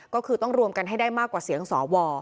ก็คือต้องรวมกันให้ได้มากกว่าเสียงสว